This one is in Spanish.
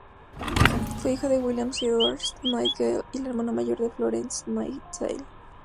Fue hija de William Edward Nightingale, y la hermana mayor de Florence Nightingale.